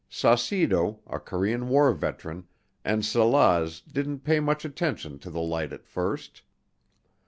Saucedo, a Korean War Veteran, and Salaz didn't pay much attention to the light at first.